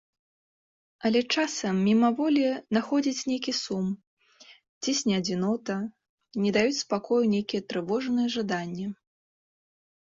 Але часам, мімаволі, находзіць нейкі сум, цісне адзінота, не даюць спакою нейкія трывожныя жаданні.